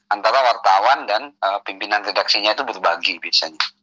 antara wartawan dan pimpinan redaksinya itu berbagi biasanya